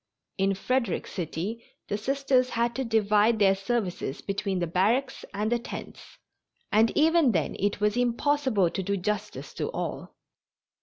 In Frederick City the Sisters had to divide their services between the barracks and the tents, and even then it was impossible to do justice to all.